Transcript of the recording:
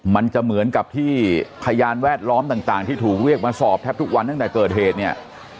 มันจะเหมือนกับที่พยานแวดล้อมต่างที่ถูกเรียกมาสอบแทบทุกวันตั้งแต่เกิดเหตุเนี่ย